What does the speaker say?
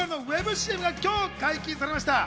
ＣＭが今朝解禁されました。